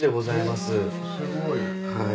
すごい。